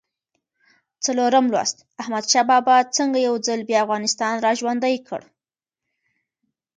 څلورم لوست: احمدشاه بابا څنګه یو ځل بیا افغانستان را ژوندی کړ؟